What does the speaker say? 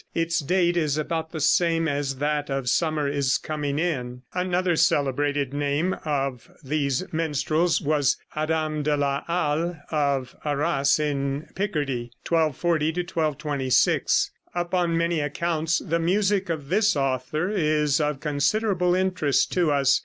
Its date is about the same as that of "Summer is Coming In." Another celebrated name of these minstrels was Adam de la Halle, of Arras in Picardy 1240 1286. Upon many accounts the music of this author is of considerable interest to us.